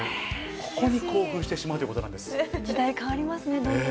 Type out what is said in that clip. ここに興奮してしまうということ時代、変わりますね。